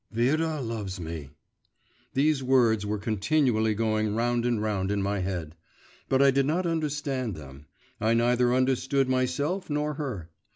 Vera loves me! These words were continually going round and round in my head; but I did not understand them I neither understood myself nor her.